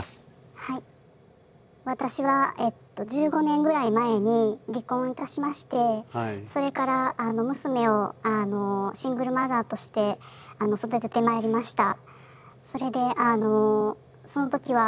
私は１５年ぐらい前に離婚いたしましてそれから娘をシングルマザーとして育ててまいりました。